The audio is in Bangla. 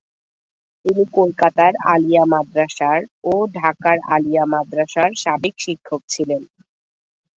তিনি কলকাতার আলিয়া মাদ্রাসার ও ঢাকার আলিয়া মাদ্রাসার সাবেক শিক্ষক ছিলেন।